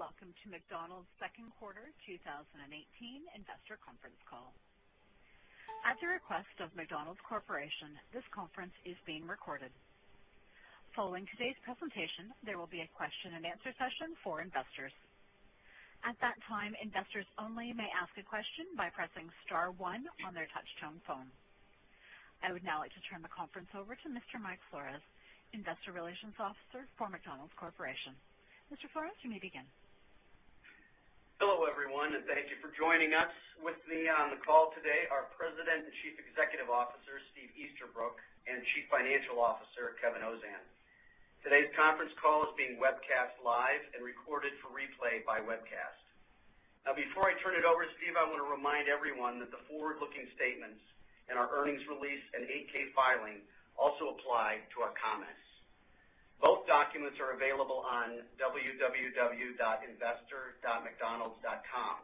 Hello, welcome to McDonald's second quarter 2018 investor conference call. At the request of McDonald's Corporation, this conference is being recorded. Following today's presentation, there will be a question and answer session for investors. At that time, investors only may ask a question by pressing star one on their touch-tone phone. I would now like to turn the conference over to Mr. Mike Flores, Investor Relations Officer for McDonald's Corporation. Mr. Flores, you may begin. Hello, everyone, thank you for joining us. With me on the call today are President and Chief Executive Officer, Steve Easterbrook, and Chief Financial Officer, Kevin Ozan. Today's conference call is being webcast live and recorded for replay by webcast. Before I turn it over to Steve, I want to remind everyone that the forward-looking statements in our earnings release and 8-K filing also apply to our comments. Both documents are available on investor.mcdonalds.com,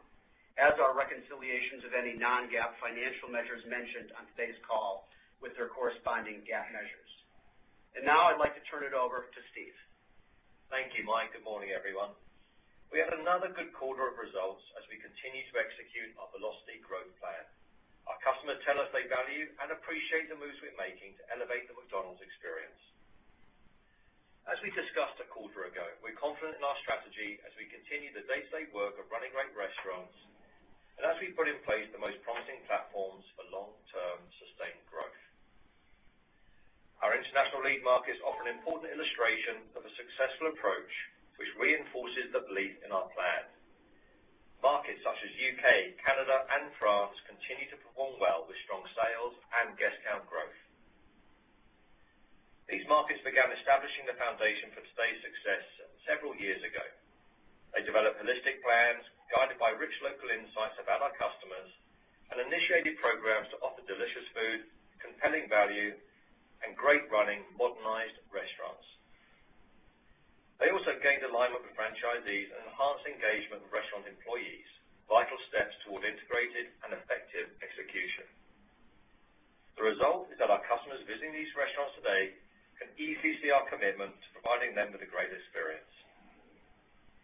as are reconciliations of any non-GAAP financial measures mentioned on today's call with their corresponding GAAP measures. Now I'd like to turn it over to Steve. Thank you, Mike. Good morning, everyone. We had another good quarter of results as we continue to execute our Velocity Growth Plan. Our customers tell us they value and appreciate the moves we're making to elevate the McDonald's experience. As we discussed a quarter ago, we're confident in our strategy as we continue the day-to-day work of running great restaurants, and as we put in place the most promising platforms for long-term, sustained growth. Our international lead markets offer an important illustration of a successful approach, which reinforces the belief in our plan. Markets such as U.K., Canada, and France continue to perform well with strong sales and guest count growth. These markets began establishing the foundation for today's success several years ago. They developed holistic plans guided by rich local insights about our customers and initiated programs to offer delicious food, compelling value, and great running, modernized restaurants. They also gained alignment with franchisees and enhanced engagement with restaurant employees, vital steps toward integrated and effective execution. The result is that our customers visiting these restaurants today can easily see our commitment to providing them with a great experience.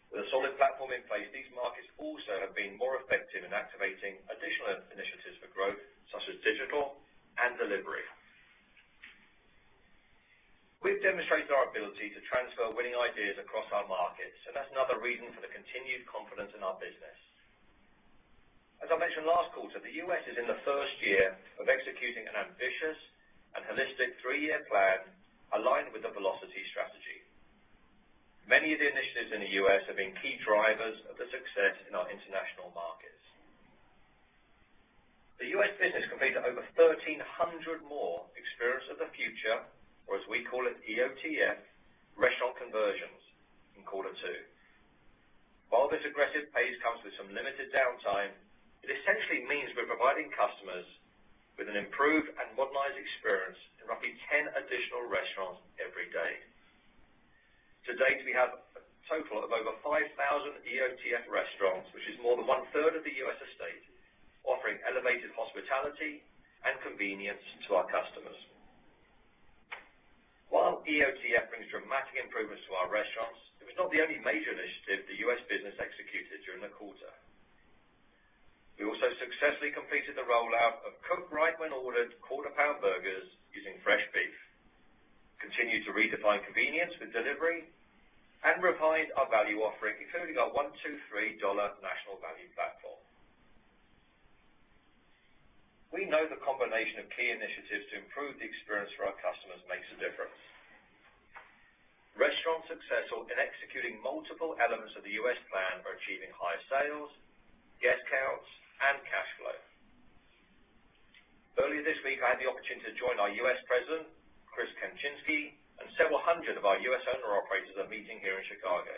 With a solid platform in place, these markets also have been more effective in activating additional initiatives for growth, such as digital and delivery. We've demonstrated our ability to transfer winning ideas across our markets, and that's another reason for the continued confidence in our business. As I mentioned last quarter, the U.S. is in the first year of executing an ambitious and holistic three-year plan aligned with the Velocity strategy. Many of the initiatives in the U.S. have been key drivers of the success in our international markets. The U.S. business completed over 1,300 more Experience of the Future, or as we call it, EOTF, restaurant conversions in quarter two. While this aggressive pace comes with some limited downtime, it essentially means we're providing customers with an improved and modernized experience in roughly 10 additional restaurants every day. To date, we have a total of over 5,000 EOTF restaurants, which is more than one-third of the U.S. estate, offering elevated hospitality and convenience to our customers. While EOTF brings dramatic improvements to our restaurants, it was not the only major initiative the U.S. business executed during the quarter. We also successfully completed the rollout of cooked right when ordered Quarter Pound burgers using fresh beef, continued to redefine convenience with delivery, and refined our value offering, including our One, Two, Three Dollar National Value Platform. We know the combination of key initiatives to improve the experience for our customers makes a difference. Restaurants successful in executing multiple elements of the U.S. plan are achieving higher sales, guest counts, and cash flow. Earlier this week, I had the opportunity to join our U.S. president, Chris Kempczinski, and several hundred of our U.S. owner-operators at a meeting here in Chicago.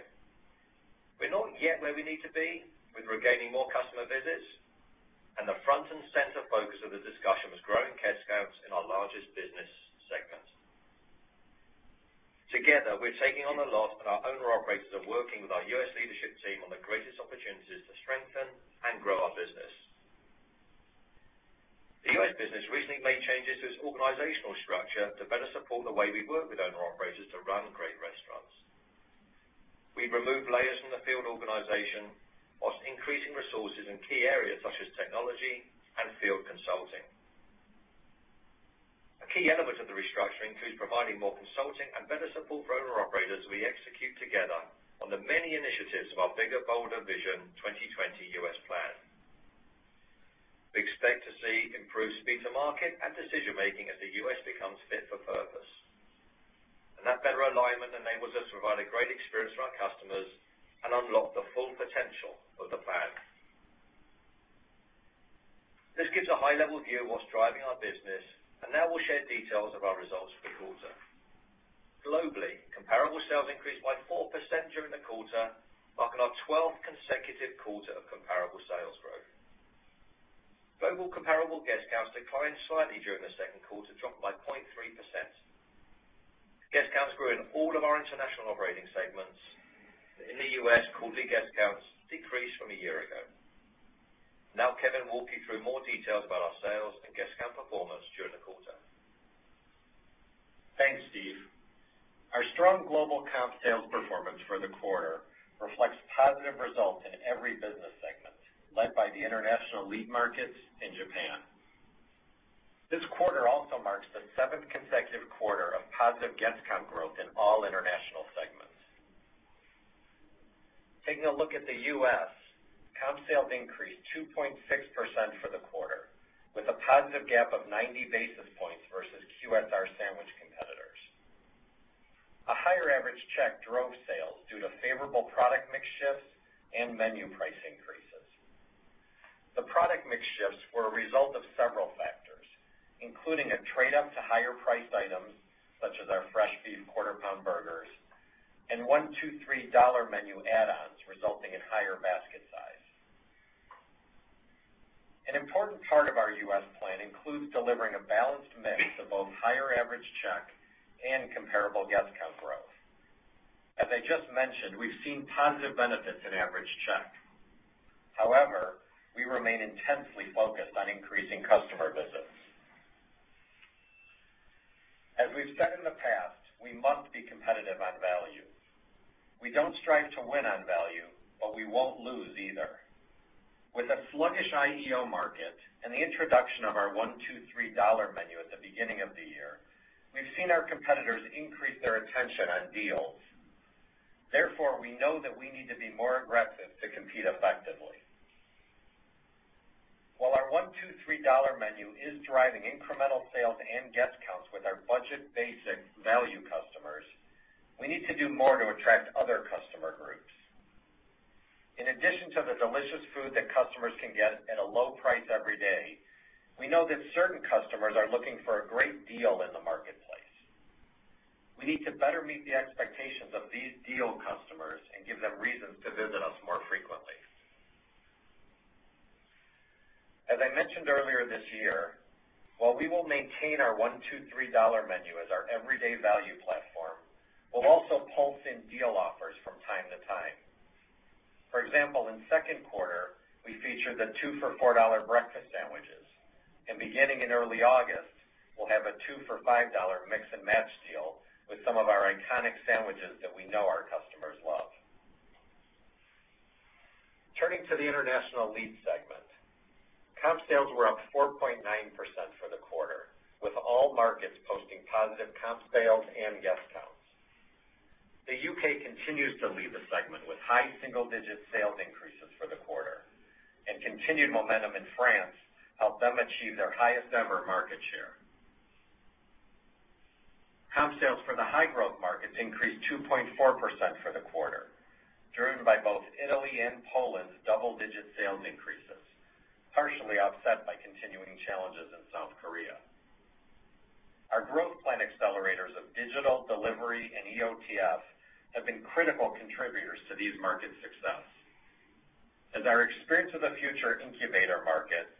We're not yet where we need to be with regaining more customer visits, and the front and center focus of the discussion was growing guest counts in our largest business segment. Together, we're taking on a lot, and our owner-operators are working with our U.S. leadership team on the greatest opportunities to strengthen and grow our business. The U.S. business recently made changes to its organizational structure to better support the way we work with owner-operators to run great restaurants. We've removed layers from the field organization while increasing resources in key areas such as technology and field consulting. A key element of the restructuring includes providing more consulting and better support for owner-operators as we execute together on the many initiatives of our Bigger Bolder Vision 2020 U.S. plan. We expect to see improved speed to market and decision-making as the U.S. becomes fit for purpose. That better alignment enables us to provide a great experience for our customers and unlock the full potential of the plan. This gives a high-level view of what's driving our business, and now we'll share details of our results for the quarter. Globally, comparable sales increased by 4% during the quarter, marking our 12th consecutive quarter of comparable sales growth. Global comparable guest counts declined slightly during the second quarter, dropping by 0.3%. Guest counts grew in all of our international operating segments. In the U.S., quarterly guest counts decreased from a year ago. Now Kevin will walk you through more details about our sales and guest count performance during the quarter Thanks, Steve. Our strong global comp sales performance for the quarter reflects positive results in every business segment, led by the international lead markets in Japan. This quarter also marks the seventh consecutive quarter of positive guest count growth in all international segments. Taking a look at the U.S., comp sales increased 2.6% for the quarter, with a positive gap of 90 basis points versus QSR sandwich competitors. A higher average check drove sales due to favorable product mix shifts and menu price increases. The product mix shifts were a result of several factors, including a trade-up to higher priced items, such as our fresh beef Quarter Pounder burgers, and $1 $2 $3 Dollar Menu add-ons, resulting in higher basket size. An important part of our U.S. plan includes delivering a balanced mix of both higher average check and comparable guest count growth. As I just mentioned, we've seen positive benefits in average check. However, we remain intensely focused on increasing customer visits. As we've said in the past, we must be competitive on value. We don't strive to win on value, but we won't lose either. With a sluggish IEO market and the introduction of our $1 $2 $3 Dollar Menu at the beginning of the year, we've seen our competitors increase their attention on deals. Therefore, we know that we need to be more aggressive to compete effectively. While our $1 $2 $3 Dollar Menu is driving incremental sales and guest counts with our budget basics value customers, we need to do more to attract other customer groups. In addition to the delicious food that customers can get at a low price every day, we know that certain customers are looking for a great deal in the marketplace. We need to better meet the expectations of these deal customers and give them reasons to visit us more frequently. As I mentioned earlier this year, while we will maintain our $1 $2 $3 Dollar Menu as our everyday value platform, we'll also pulse in deal offers from time to time. For example, in second quarter, we featured the two for $4 breakfast sandwiches. Beginning in early August, we'll have a two for $5 mix and match deal with some of our iconic sandwiches that we know our customers love. Turning to the international lead segment. Comp sales were up 4.9% for the quarter, with all markets posting positive comp sales and guest counts. The U.K. continues to lead the segment with high single-digit sales increases for the quarter, and continued momentum in France helped them achieve their highest-ever market share. Comp sales for the high-growth markets increased 2.4% for the quarter, driven by both Italy and Poland's double-digit sales increases, partially offset by continuing challenges in South Korea. Our growth plan accelerators of digital, delivery, and EOTF have been critical contributors to these markets' success. As our Experience of the Future incubator markets,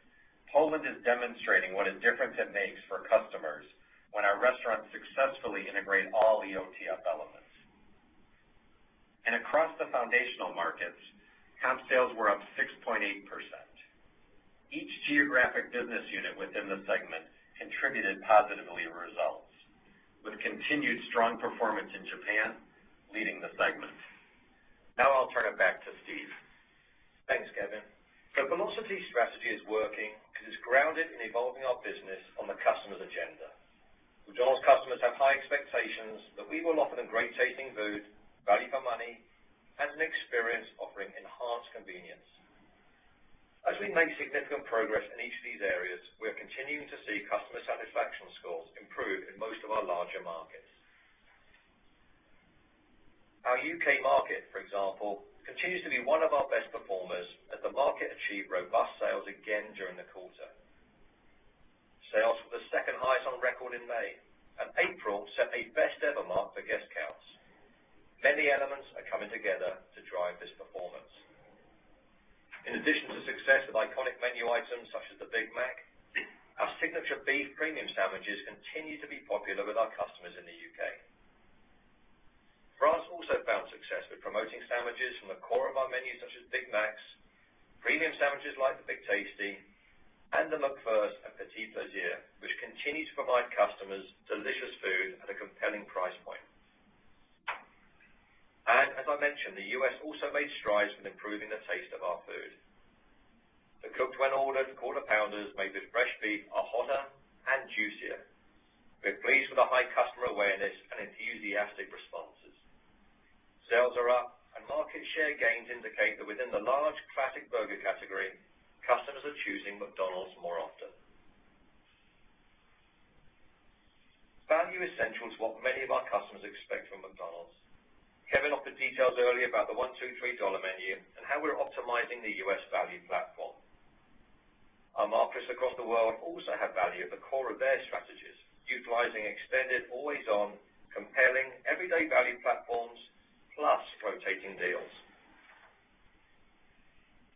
Poland is demonstrating what a difference it makes for customers when our restaurants successfully integrate all EOTF elements. Across the foundational markets, comp sales were up 6.8%. Each geographic business unit within the segment contributed positively to results, with continued strong performance in Japan leading the segment. Now I'll turn it back to Steve. Thanks, Kevin. The velocity strategy is working because it's grounded in evolving our business on the customer's agenda. McDonald's customers have high expectations that we will offer them great tasting food, value for money, and an experience offering enhanced convenience. As we make significant progress in each of these areas, we are continuing to see customer satisfaction scores improve in most of our larger markets. Our U.K. market, for example, continues to be one of our best performers as the market achieved robust sales again during the quarter. Sales were the second highest on record in May, and April set a best ever mark for guest counts. Many elements are coming together to drive this performance. In addition to success with iconic menu items such as the Big Mac, our signature beef premium sandwiches continue to be popular with our customers in the U.K. As I mentioned, France also found success with promoting sandwiches from the core of our menu, such as Big Macs, premium sandwiches like the Big Tasty, and the McFlurrys and P'tits Plaisirs, which continue to provide customers delicious food at a compelling price point. The U.S. also made strides in improving the taste of our food. The cooked when ordered Quarter Pounders made with fresh beef are hotter and juicier. We're pleased with the high customer awareness and enthusiastic responses. Sales are up, and market share gains indicate that within the large classic burger category, customers are choosing McDonald's more often. Value essential is what many of our customers expect from McDonald's. Kevin offered details earlier about the $1 $2 $3 Dollar Menu and how we're optimizing the U.S. value platform. Our markets across the world also have value at the core of their strategies, utilizing extended always-on compelling everyday value platforms, plus rotating deals.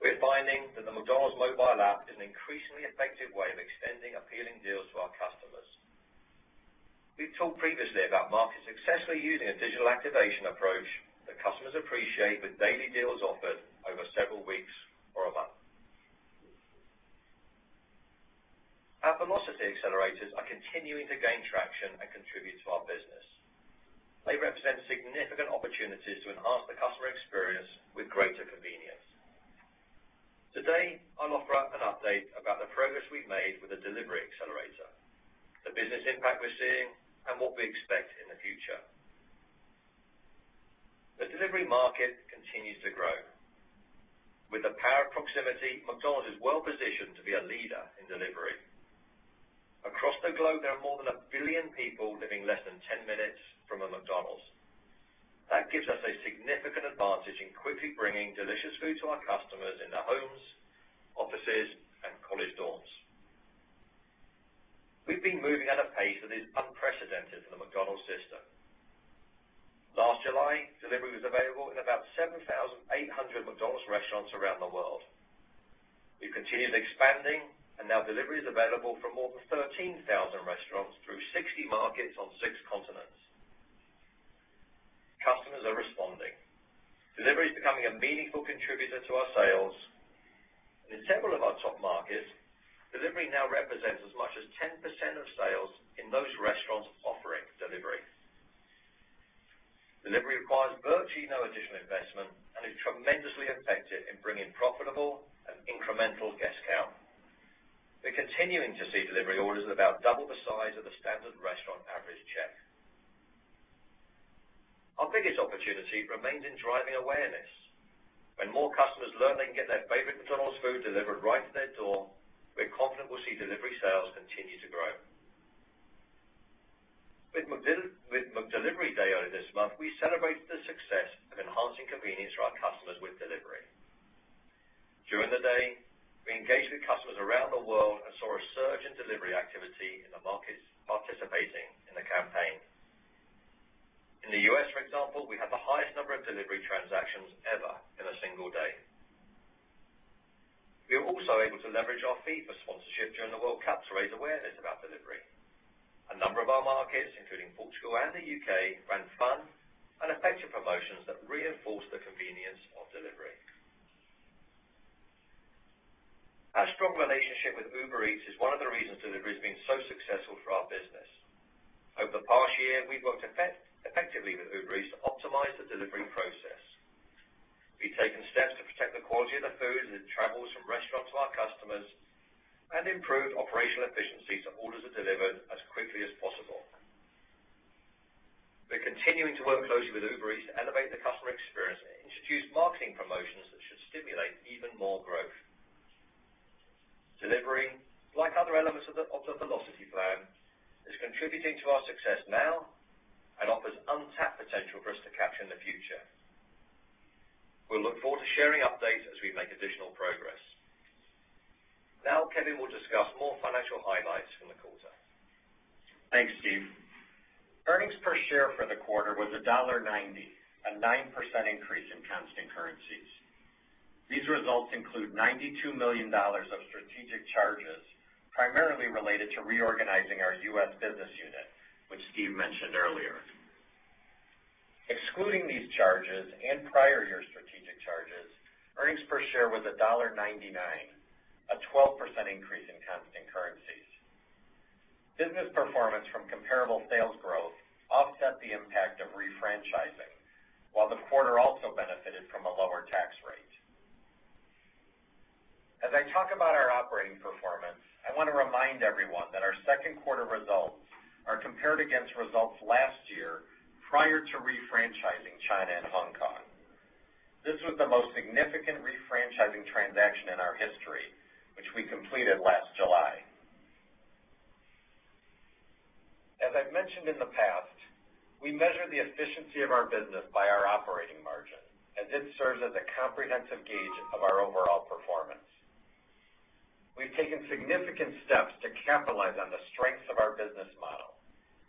We're finding that the McDonald's mobile app is an increasingly effective way of extending appealing deals to our customers. We've talked previously about markets successfully using a digital activation approach that customers appreciate, with daily deals offered over several weeks. Our velocity accelerators are continuing to gain traction and contribute to our business. They represent significant opportunities to enhance the customer experience with greater convenience. Today, I'll offer up an update about the progress we've made with the delivery accelerator, the business impact we're seeing, and what we expect in the future. The delivery market continues to grow. With the power of proximity, McDonald's is well-positioned to be a leader in delivery. Across the globe, there are more than a billion people living less than 10 minutes from a McDonald's. That gives us a significant advantage in quickly bringing delicious food to our customers in their homes, offices, and college dorms. We've been moving at a pace that is unprecedented for the McDonald's system. Last July, delivery was available in about 7,800 McDonald's restaurants around the world. We continued expanding, and now delivery is available from more than 13,000 restaurants through 60 markets on six continents. Customers are responding. Delivery is becoming a meaningful contributor to our sales. In several of our top markets, delivery now represents as much as 10% of sales in those restaurants offering delivery. Delivery requires virtually no additional investment and is tremendously effective in bringing profitable and incremental guest count. We're continuing to see delivery orders at about double the size of the standard restaurant average check. Our biggest opportunity remains in driving awareness. When more customers learn they can get their favorite McDonald's food delivered right to their door, we're confident we'll see delivery sales continue to grow. With McDelivery Day earlier this month, we celebrated the success of enhancing convenience for our customers with delivery. During the day, we engaged with customers around the world and saw a surge in delivery activity in the markets participating in the campaign. In the U.S., for example, we had the highest number of delivery transactions ever in a single day. We were also able to leverage our FIFA sponsorship during the World Cup to raise awareness about delivery. A number of our markets, including Portugal and the U.K., ran fun and effective promotions that reinforced the convenience of delivery. Our strong relationship with Uber Eats is one of the reasons delivery has been so successful for our business. Over the past year, we've worked effectively with Uber Eats to optimize the delivery process. We've taken steps to protect the quality of the food as it travels from restaurant to our customers, and improved operational efficiency so orders are delivered as quickly as possible. We're continuing to work closely with Uber Eats to elevate the customer experience and introduce marketing promotions that should stimulate even more growth. Delivery, like other elements of the Velocity plan, is contributing to our success now and offers untapped potential for us to capture in the future. We'll look forward to sharing updates as we make additional progress. Kevin will discuss more financial highlights from the quarter. Thanks, Steve. Earnings per share for the quarter was $1.90, a 9% increase in constant currencies. These results include $92 million of strategic charges, primarily related to reorganizing our U.S. business unit, which Steve mentioned earlier. Excluding these charges and prior year strategic charges, earnings per share was $1.99, a 12% increase in constant currencies. Business performance from comparable sales growth offset the impact of refranchising, while the quarter also benefited from a lower tax rate. As I talk about our operating performance, I want to remind everyone that our second quarter results are compared against results last year prior to refranchising China and Hong Kong. This was the most significant refranchising transaction in our history, which we completed last July. As I've mentioned in the past, we measure the efficiency of our business by our operating margin, as this serves as a comprehensive gauge of our overall performance. We've taken significant steps to capitalize on the strengths of our business model,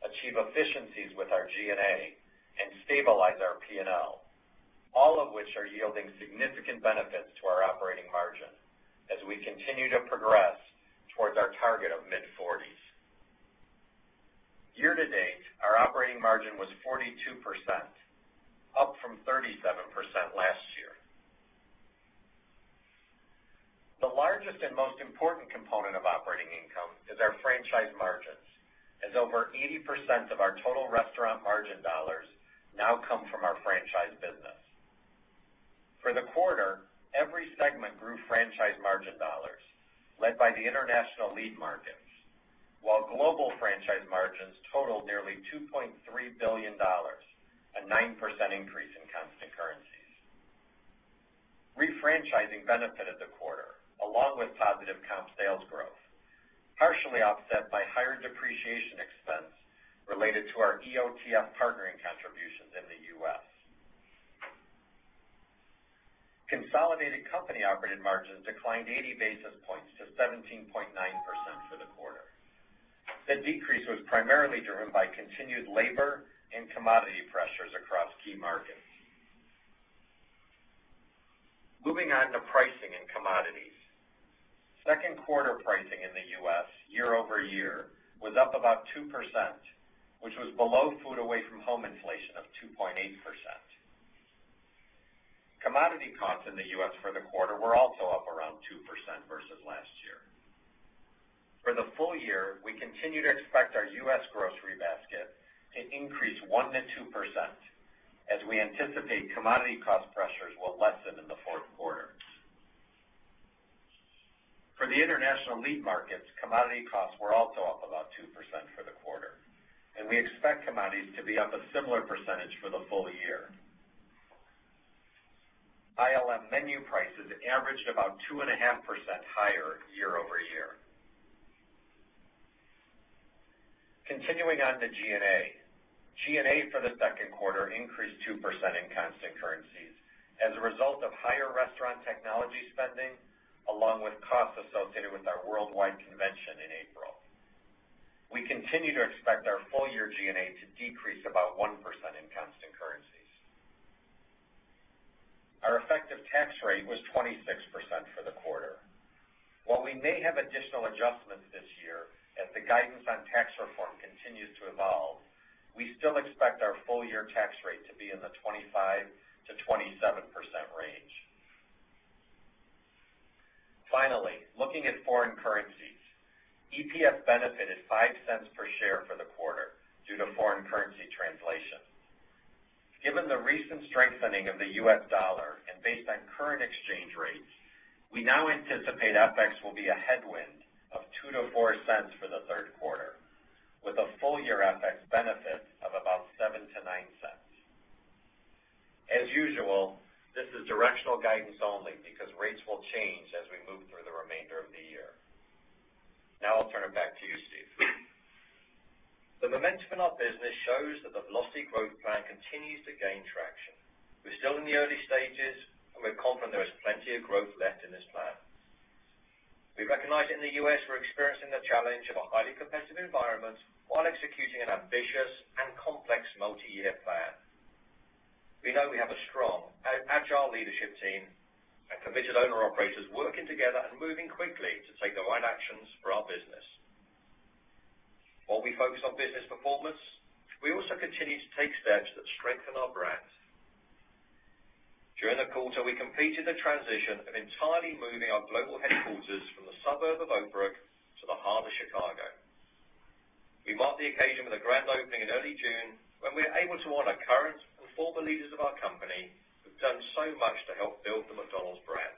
achieve efficiencies with our G&A, and stabilize our P&L, all of which are yielding significant benefits to our operating margin as we continue to progress towards our target of mid-40s. Year to date, our operating margin was 42%, up from 37% last year. The largest and most important component of operating income is our franchise margins, as over 80% of our total restaurant margin dollars now come from our franchise business. For the quarter, every segment grew franchise margin dollars, led by the international lead markets, while global franchise margins totaled nearly $2.3 billion, a 9% increase in constant currencies. Refranchising benefited the quarter, along with positive comp sales growth, partially offset by higher depreciation expense related to our EOTF partnering contributions in the U.S. Consolidated company operating margins declined 80 basis points to 17.9% for the quarter. The decrease was primarily driven by continued labor and commodity pressures across key markets. Moving on to pricing and commodities. Second quarter pricing in the U.S. year-over-year was up about 2%, which was below food away from home inflation of 2.8%. Commodity costs in the U.S. for the quarter were also up around 2% versus last year. For the full year, we continue to expect our U.S. grocery basket to increase 1%-2% as we anticipate commodity cost pressures will lessen in the fourth quarter. For the international lead markets, commodity costs were also up about 2% for the quarter, and we expect commodities to be up a similar percentage for the full year. ILM menu prices averaged about 2.5% higher year-over-year. Continuing on to G&A. G&A for the second quarter increased 2% in constant currencies as a result of higher restaurant technology spending, along with costs associated with our worldwide convention in April. We continue to expect our full-year G&A to decrease about 1% in constant currencies. Our effective tax rate was 26% for the quarter. While we may have additional adjustments this year, as the guidance on tax reform continues to evolve, we still expect our full-year tax rate to be in the 25%-27% range. Finally, looking at foreign currencies. EPS benefited $0.05 per share for the quarter due to foreign currency translation. Given the recent strengthening of the U.S. dollar and based on current exchange rates, we now anticipate FX will be a headwind of $0.02-$0.04 for the third quarter, with a full-year FX benefit of about $0.07-$0.09. As usual, this is directional guidance only because rates will change as we move through the remainder of the year. Now I'll turn it back to you, Steve. The momentum in our business shows that the Velocity Growth Plan continues to gain traction. We're still in the early stages, and we're confident there is plenty of growth left in this plan. We recognize in the U.S., we're experiencing the challenge of a highly competitive environment while executing an ambitious and complex multi-year plan. We know we have a strong, agile leadership team and committed owner-operators working together and moving quickly to take the right actions for our business. While we focus on business performance, we also continue to take steps that strengthen our brand. During the quarter, we completed the transition of entirely moving our global headquarters from the suburb of Oak Brook to the heart of Chicago. We marked the occasion with a grand opening in early June when we were able to honor current and former leaders of our company, who've done so much to help build the McDonald's brand.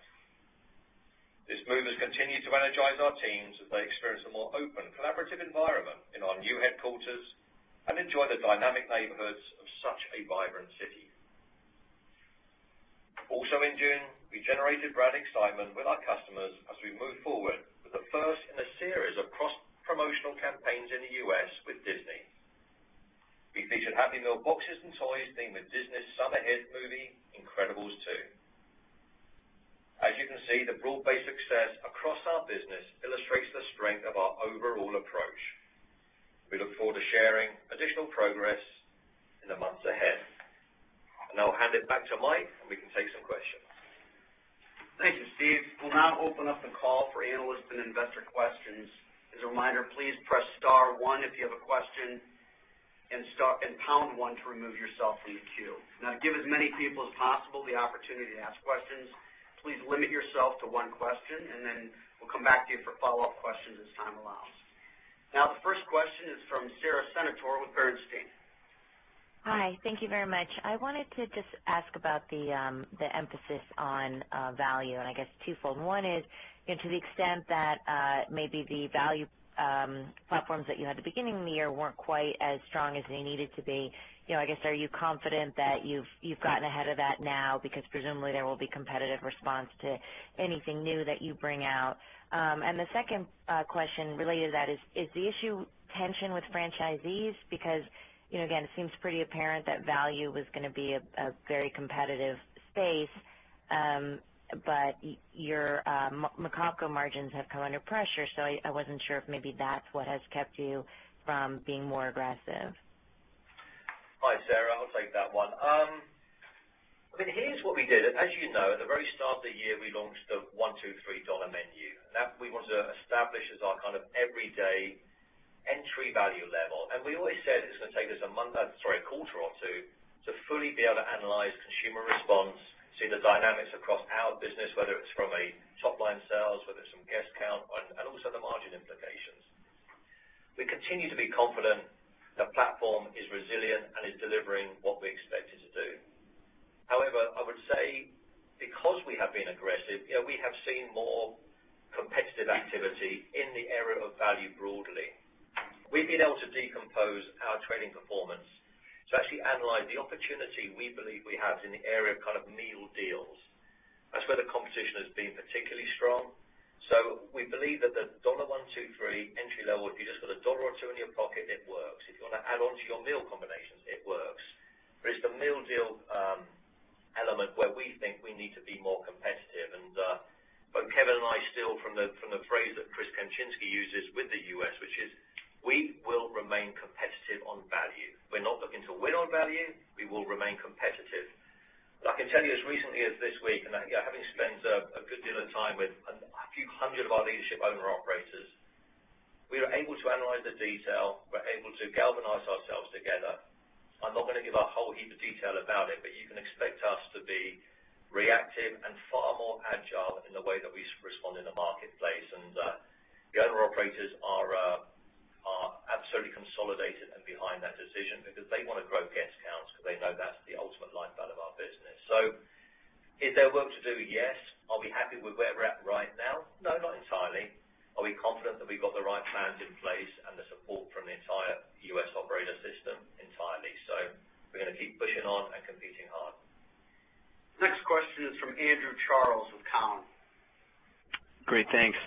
This move has continued to energize our teams as they experience a more open, collaborative environment in our new headquarters and enjoy the dynamic neighborhoods of such a vibrant city. In June, we generated brand excitement with our customers as we moved forward with the first in a series of cross-promotional campaigns in the U.S. with Disney. We featured Happy Meal boxes and toys themed with Disney's summer hit movie, "Incredibles 2". As you can see, the broad-based success across our business illustrates the strength of our overall approach. We look forward to sharing additional progress in the months ahead. Now I'll hand it back to Mike, and we can take some questions. Thank you, Steve. We'll now open up the call for analyst and investor questions. As a reminder, please press star one if you have a question, and pound one to remove yourself from the queue. To give as many people as possible the opportunity to ask questions, please limit yourself to one question, and then we'll come back to you for follow-up questions as time allows. The first question is from Sara Senatore with Bernstein. Hi. Thank you very much. I wanted to just ask about the emphasis on value, and I guess twofold. One is to the extent that maybe the value platforms that you had at the beginning of the year weren't quite as strong as they needed to be. I guess, are you confident that you've gotten ahead of that now? Presumably there will be competitive response to anything new that you bring out. The second question related to that is the issue tension with franchisees? Again, it seems pretty apparent that value was going to be a very competitive space. Your McOpCo margins have come under pressure. I wasn't sure if maybe that's what has kept you from being more aggressive. Hi, Sara. I'll take that one. Here's what we did. As you know, at the very start of the year, we launched the $1 $2 $3 Dollar Menu. That we wanted to establish as our everyday entry value level. We always said it's going to take us a month, sorry, a quarter or two, to fully be able to analyze consumer response, see the dynamics across our business, whether it's from a top-line sales, whether it's from guest count, and also the margin implications. We continue to be confident the platform is resilient and is delivering what we expect it to do. I would say because we have been aggressive, we have seen more competitive activity in the area of value broadly. We've been able to decompose our trading performance to actually analyze the opportunity we believe we have in the area of meal deals. That's where the competition has been particularly strong. We believe that the Dollar One, Two, Three entry level, if you just got a dollar or two in your pocket, it works. If you want to add on to your meal combinations, it works. It's the meal deal element where we think we need to be more competitive. Both Kevin and I steal from the phrase that Chris Kempczinski uses with the U.S., which is, we will remain competitive on value. We're not looking to win on value. We will remain competitive. I can tell you as recently as this week, having spent a good deal of time with a few hundred of our leadership owner-operators, we are able to analyze the detail. We're able to galvanize ourselves together. I'm not going to give a whole heap of detail about it, you can expect us to be reactive and far more agile in the way that we respond in the marketplace. The owner-operators are absolutely consolidated and behind that decision because they want to grow guest counts, because they know that's the ultimate life out of our business. Is there work to do? Yes. Are we happy with where we're at right now? No, not entirely. Are we confident that we've got the right plans in place and the support from the entire U.S. operator system? Entirely. We're going to keep pushing on and competing hard. Next question is from Andrew Charles with Cowen. Great, thanks.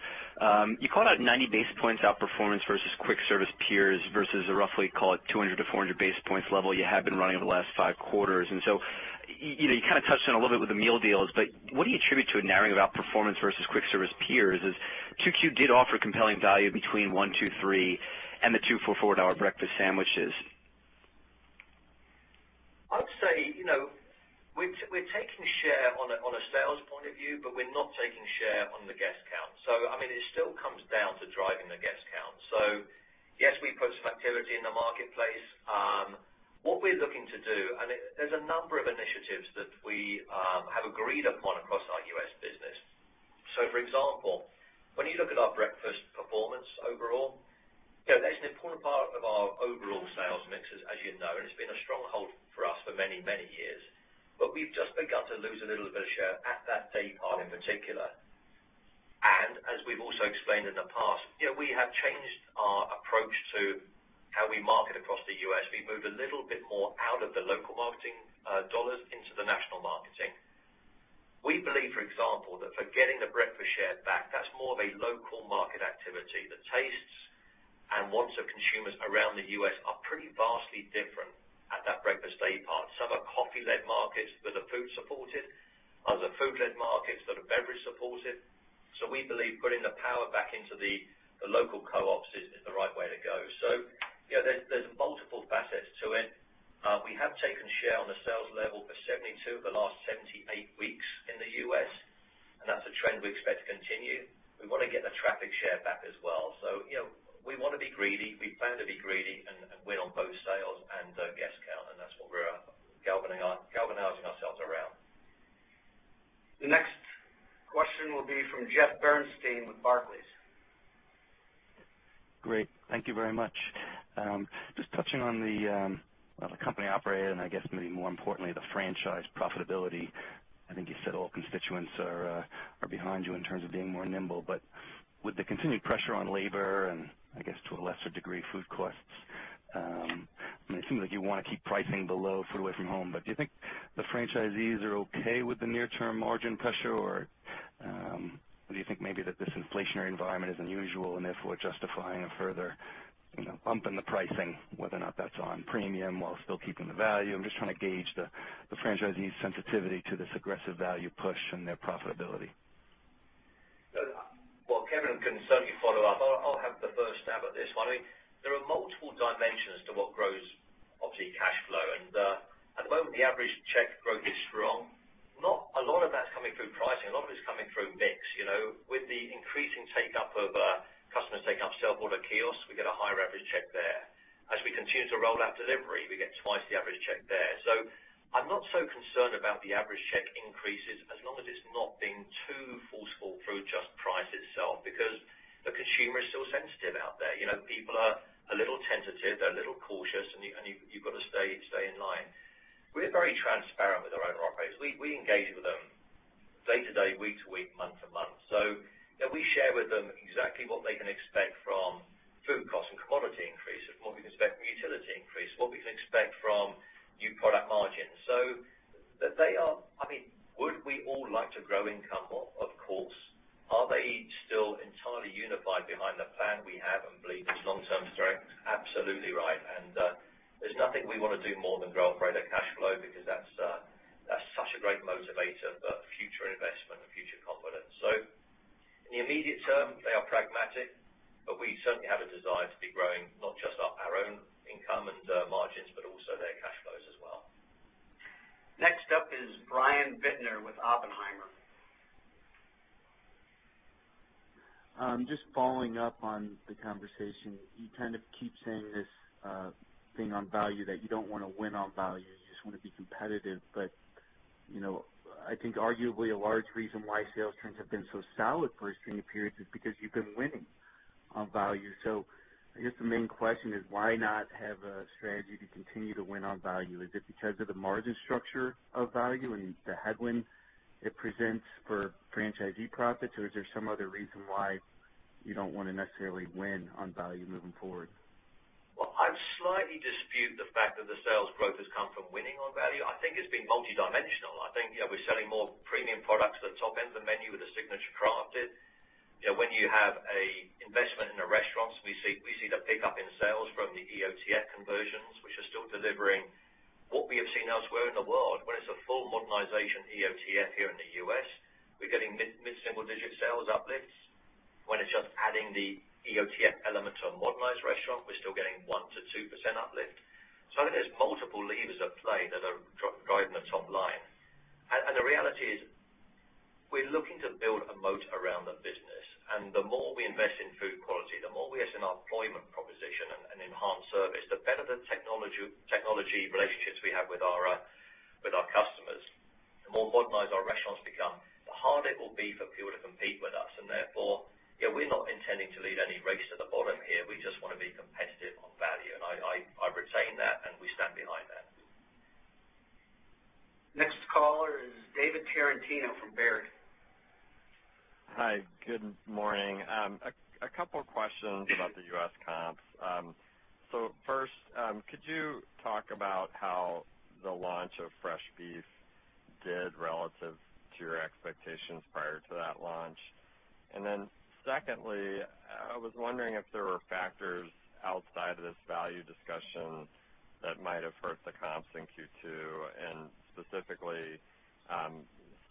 You called out 90 basis points outperformance versus quick service peers, versus roughly, call it 200 to 400 basis points level you have been running over the last five quarters. You touched on it a little bit with the meal deals, what do you attribute to a narrowing of outperformance versus quick service peers, as QQ did offer compelling value between one, two, three, and the $2.44 breakfast sandwiches? I would say, we're taking share on a sales point of view, but we're not taking share on the guest count. It still comes down to driving the guest count. Yes, we put some activity in the marketplace. What we're looking to do, and there's a number of initiatives that we have agreed upon across our U.S. business. For example, when you look at our breakfast performance overall, that's an important part of our overall sales mixes, as you know, and it's been a stronghold for us for many, many years. We've just begun to lose a little bit of share at that day part in particular. As we've also explained in the past, we have changed our approach to how we market across the U.S. We've moved a little bit more out of the local marketing dollars into the national marketing. We believe, for example, that for getting the breakfast share back, that's more of a local market activity. The tastes and wants of consumers around the U.S. are pretty vastly different at that breakfast day part. Some are coffee-led markets that are food supported. Others are food-led markets that are beverage supported. We believe putting the power back into the local co-ops is the right way to go. There's multiple facets to it. We have taken share on a sales level for 72 of the last 78 weeks in the U.S., and that's a trend we expect to continue. We want to get the traffic share back as well. We want to be greedy. We plan to be greedy and win on both sales and guest count, and that's what we're galvanizing ourselves around. The next question will be from Jeffrey Bernstein with Barclays. Great. Thank you very much. Just touching on the company operator, and I guess maybe more importantly, the franchise profitability. I think you said all constituents are behind you in terms of being more nimble, with the continued pressure on labor and, I guess to a lesser degree, food costs, it seems like you want to keep pricing below food away from home, do you think the franchisees are okay with the near-term margin pressure? Do you think maybe that this inflationary environment is unusual and therefore justifying a further bump in the pricing, whether or not that's on premium while still keeping the value? I'm just trying to gauge the franchisee sensitivity to this aggressive value push and their profitability. Well, Kevin can certainly follow up. I'll have the first stab at this one. There are multiple dimensions to what grows, obviously, cash flow. At the moment, the average check growth is strong. Not a lot of that's coming through pricing. A lot of it's coming through mix. With the increasing take-up of customers taking up self-order kiosks, we get a higher average check there. As we continue to roll out delivery, we get twice the average check there. I'm not so concerned about the average check increases, as long as it's not being too forceful through just price itself, because the consumer is still sensitive out there. People are a little tentative, they're a little cautious, and you've got to stay in line. We're very transparent with our owner-operators. We engage with them day to day, week to week, month to month. We share with them exactly what they can expect from food costs and commodity increases, what we can expect from utility increases, what we can expect from new product margins. Would we all like to grow income more? Of course. Are they still entirely unified behind the plan we have and believe is long-term strength? Absolutely right, there's nothing we want to do more than grow operator cash flow because that's such a great motivator for future investment and future confidence. In the immediate term, they are pragmatic, but we certainly have a desire to be growing not just our own income and margins, but also their cash flows as well. Next up is Brian Bittner with Oppenheimer. Just following up on the conversation. You kind of keep saying this thing on value, that you don't want to win on value, you just want to be competitive. I think arguably a large reason why sales trends have been so solid for a string of periods is because you've been winning on value. I guess the main question is why not have a strategy to continue to win on value? Is it because of the margin structure of value and the headwind it presents for franchisee profits? Is there some other reason why you don't want to necessarily win on value moving forward? Well, I slightly dispute the fact that the sales growth has come from winning on value. I think it's been multidimensional. I think we're selling more premium products at the top end of the menu with the Signature Crafted. When you have an investment in a restaurant, we see the pickup in sales from the EOTF conversions, which are still delivering what we have seen elsewhere in the world. When it's a full modernization EOTF here in the U.S., we're getting mid-single-digit sales uplifts. When it's just adding the EOTF element to a modernized restaurant, we're still getting 1%-2% uplift. I think there's multiple levers at play that are driving the top line. The reality is, we're looking to build a moat around the business, and the more we invest in food quality, the more we invest in our employment proposition and enhance service, the better the technology relationships we have with our customers, the more modernized our restaurants become, the harder it will be for people to compete with us, and therefore, we're not intending to lead any race to the bottom here. We just want to be competitive on value, and I retain that, and we stand behind that. Next caller is David Tarantino from Baird. Hi, good morning. A couple questions about the U.S. comps. First, could you talk about how the launch of fresh beef did relative to your expectations prior to that launch? Secondly, I was wondering if there were factors outside of this value discussion that might have hurt the comps in Q2, and specifically,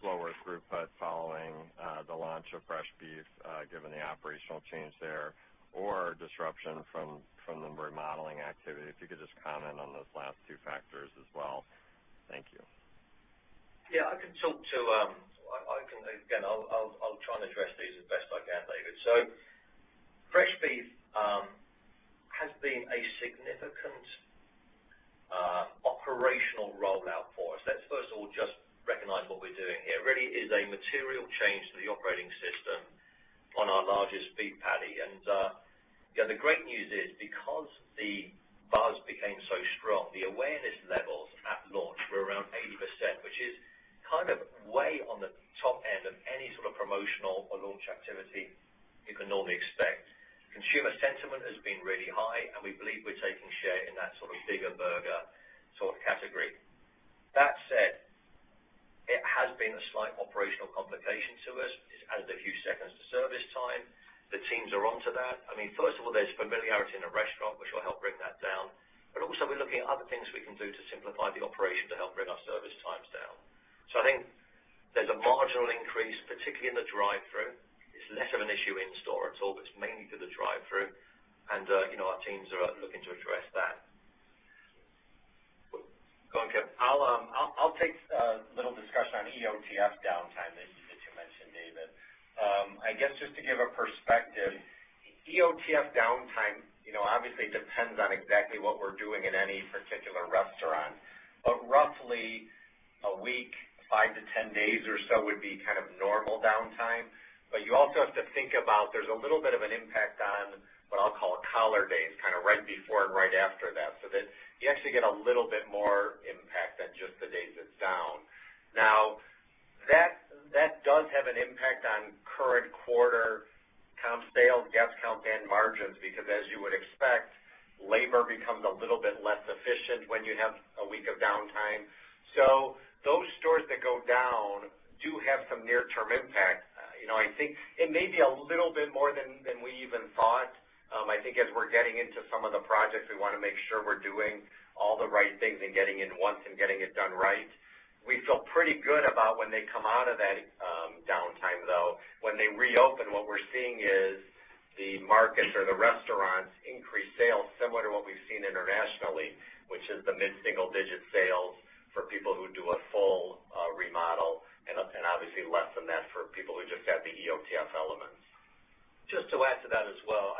slower throughput following the launch of fresh beef, given the operational change there, or disruption from the remodeling activity. If you could just comment on those last two factors as well. Thank you. Yeah, I'll try and address these as best I can, David. Fresh beef has been a significant operational rollout for us. Let's first of all just recognize what we're doing here. It really is a material change to the operating system on our largest beef patty. The great news is, because the buzz became so strong, the awareness levels at launch were around 80%, which is way on the top end of any sort of promotional or launch activity you can normally expect. Consumer sentiment has been really high, and we believe we're taking share in that sort of bigger burger sort of category. That said, it has been a slight operational complication to us. It's added a few seconds to service time. The teams are onto that. First of all, there's familiarity in the restaurant, which will help bring that down. Also, we're looking at other things we can do to simplify the operation to help bring our service times down. I think there's a marginal increase, particularly in the drive-thru. It's less of an issue in store at all, but it's mainly to the drive-thru. Our teams are looking to address that. Go on, Kev. I'll take a little discussion on EOTF downtime that you mentioned, David. I guess just to give a perspective, EOTF downtime obviously depends on exactly what we're doing in any particular restaurant. Roughly a week, 5-10 days or so would be kind of normal downtime. You also have to think about, there's a little bit of an impact on what I'll call collar days, right before and right after that, so that you actually get a little bit more impact than just the days it's down. Now, that does have an impact on current quarter comp sales, guest count, and margins, because as you would expect, labor becomes a little bit less efficient when you have a week of downtime. Those stores that go down do have some near-term impact. I think it may be a little bit more than we even thought. I think as we're getting into some of the projects, we want to make sure we're doing all the right things and getting in once and getting it done right. We feel pretty good about when they come out of that downtime, though. When they reopen, what we're seeing is the markets or the restaurants increase sales similar to what we've seen internationally, which is the mid-single-digit sales for people who do a full remodel, and obviously less than that for people who just get the EOTF elements. Just to add to that as well.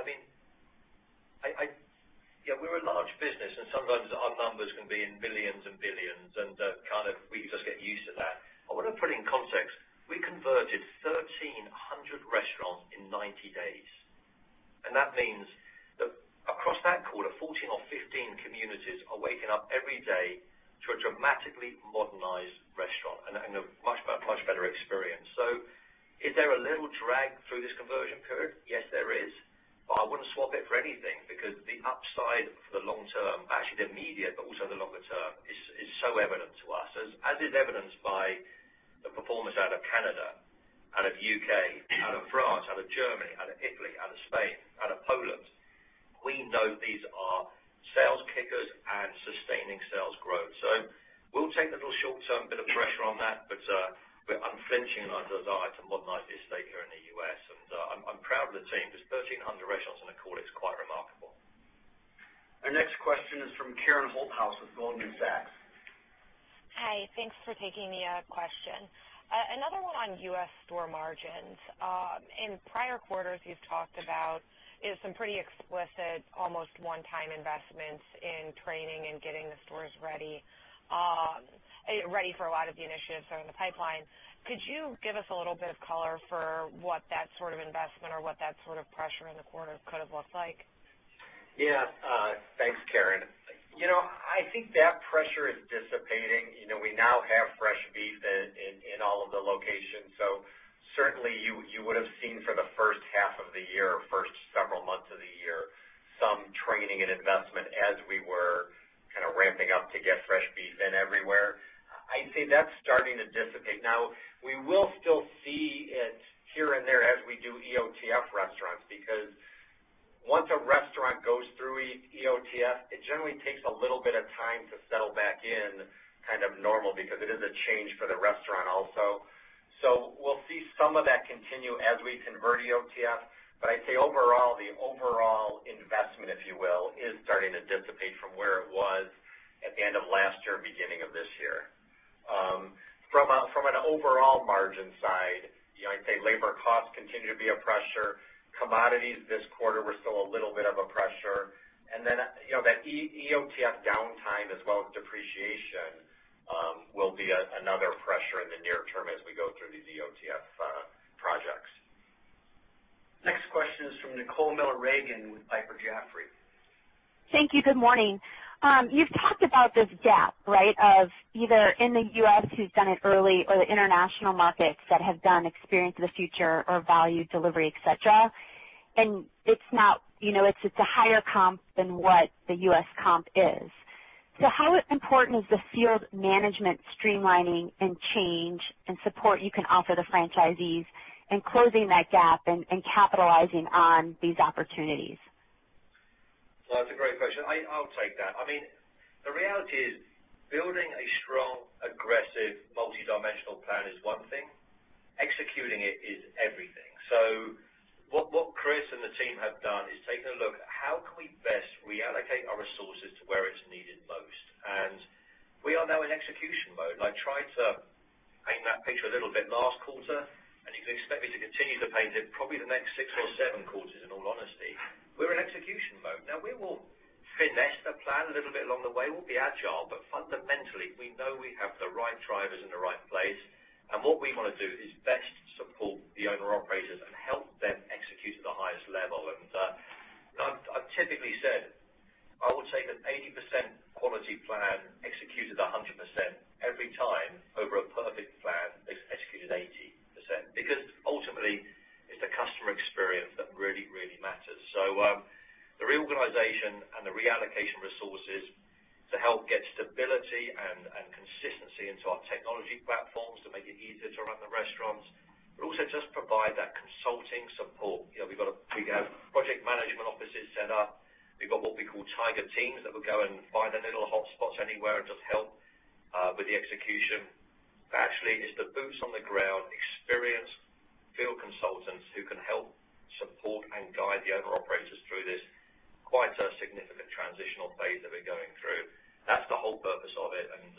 We're a large business, and sometimes our numbers can be in billions and billions, and we just get used to that. I want to put it in context. We converted 1,300 restaurants in 90 days. That means that across that quarter, 14 or 15 communities are waking up every day to a dramatically modernized restaurant and a much better experience. Is there a little drag through this conversion period? Yes, there is. I wouldn't swap it for anything because the upside for the long term, actually the immediate, but also the longer term, is so evident to us, as is evidenced by the performance out of Canada, out of U.K., out of France, out of Germany, out of Italy, out of Spain, out of Poland. We know these are sales kickers and sustaining sales growth. We'll take the little short-term bit of pressure on that. We're unflinching in our desire to modernize this estate here in the U.S., and I'm proud of the team because 1,300 restaurants in a quarter is quite remarkable. Our next question is from Karen Holthouse with Goldman Sachs. Hi. Thanks for taking my question. Another one on U.S. store margins. In prior quarters, you've talked about some pretty explicit almost one-time investments in training and getting the stores ready for a lot of the initiatives that are in the pipeline. Could you give us a little bit of color for what that sort of investment or what that sort of pressure in the quarter could have looked like? Thanks, Karen. I think that pressure is dissipating. We now have fresh beef in all of the locations. Certainly you would've seen for the first half of the year, first several months of the year, some training and investment as we were ramping up to get fresh beef in everywhere. I'd say that's starting to dissipate now. We will still see it here and there as we do EOTF restaurants, because once a restaurant goes through EOTF, it generally takes a little bit of time to settle back in kind of normal because it is a change for the restaurant also. We'll see some of that continue as we convert EOTF, but I'd say overall, the overall investment, if you will, is starting to dissipate from where it was at the end of last year, beginning of this year. From an overall margin side, I'd say labor costs continue to be a pressure. Commodities this quarter were still a little bit of a pressure. Then, that EOTF downtime as well as depreciation will be another pressure in the near term as we go through these EOTF projects. Next question is from Nicole Miller Regan with Piper Jaffray. Thank you. Good morning. You've talked about this gap of either in the U.S. who've done it early or the international markets that have done Experience of the Future or value delivery, et cetera. It's a higher comp than what the U.S. comp is. How important is the field management streamlining and change and support you can offer the franchisees in closing that gap and capitalizing on these opportunities? Well, that's a great question. I'll take that. The reality is building a strong, aggressive, multidimensional plan is one thing. Executing it is everything. What Chris and the team have done is taken a look at how can we best reallocate our resources to where it's needed most. We are now in execution mode. I tried to paint that picture a little bit last quarter, and you can expect me to continue to paint it probably the next six or seven quarters, in all honesty. We're in execution mode. Now, we will finesse the plan a little bit along the way. We'll be agile, but fundamentally, we know we have the right drivers in the right place, and what we want to do is best support the owner-operators and help them execute at the highest level. I've typically said, I would take an 80% quality plan executed 100% every time over a perfect plan executed 80%, because ultimately, it's the customer experience that really, really matters. The reorganization and the reallocation resources to help get stability and consistency into our technology platforms to make it easier to run the restaurants, but also just provide that consulting support. We've got project management offices set up. We've got what we call tiger teams that will go and find the little hotspots anywhere and just help with the execution. Actually, it's the boots-on-the-ground, experienced field consultants who can help support and guide the owner-operators through this quite a significant transitional phase that we're going through. That's the whole purpose of it, and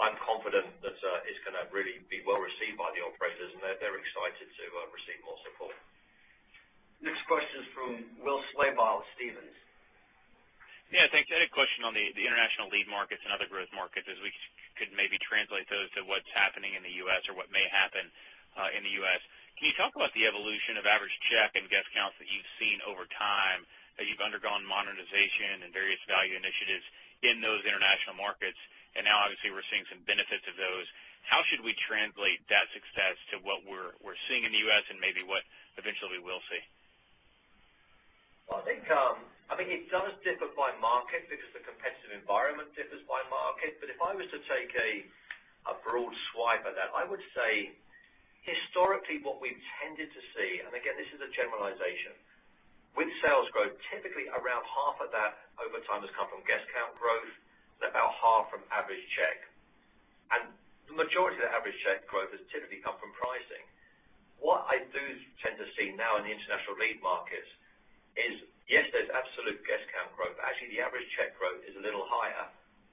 I'm confident that it's going to really be well-received by the operators, and they're excited to receive more support. Next question is from Will Slabaugh with Stephens. Yeah, thanks. I had a question on the international lead markets and other growth markets as we could maybe translate those to what's happening in the U.S. or what may happen in the U.S. Can you talk about the evolution of average check and guest counts that you've seen over time, that you've undergone monetization and various value initiatives in those international markets, and now obviously we're seeing some benefits of those. How should we translate that success to what we're seeing in the U.S. and maybe what eventually we'll see? I think it does differ by market because the competitive environment differs by market. If I was to take a broad swipe at that, I would say historically what we've tended to see, and again, this is a generalization, with sales growth, typically around half of that over time has come from guest count growth and about half from average check. The majority of the average check growth has typically come from pricing. What I do tend to see now in the international lead markets is, yes, there's absolute guest count growth. Actually, the average check growth is a little higher,